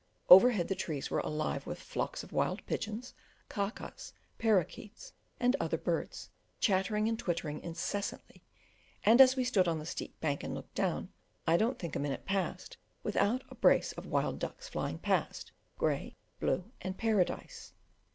Overhead the trees were alive with flocks of wild pigeons, ka kas, parroquets, and other birds, chattering and twittering incessantly and as we stood on the steep bank and looked down, I don't think a minute passed without a brace of wild ducks flying past, grey, blue, and Paradise.